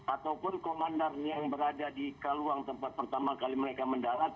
ataupun komandan yang berada di kaluang tempat pertama kali mereka mendarat